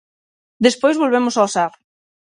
Despois volvemos ao Sar.